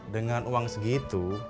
dengan uang segitu